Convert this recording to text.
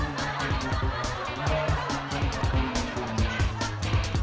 aduh aduh aduh aduh